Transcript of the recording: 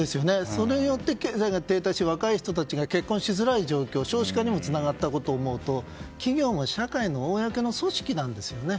それによって経済が停滞して若い人たちが結婚しづらい状況少子化にもつながったことを思うと、企業も社会の公の組織なんですよね。